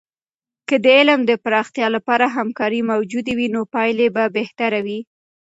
که د علم د پراختیا لپاره همکارۍ موجودې وي، نو پایلې به بهتره وي.